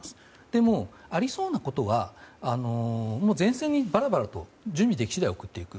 でも、ありそうなことは前線にバラバラと準備ができ次第送っていく。